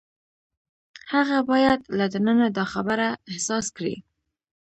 هغه باید له دننه دا خبره احساس کړي.